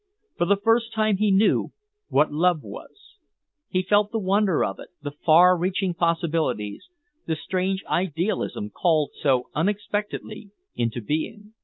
For the first time he knew what love was. He felt the wonder of it, the far reaching possibilities, the strange idealism called so unexpectedly into being.